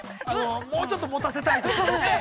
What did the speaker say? ◆もうちょっともたせたいときとかね。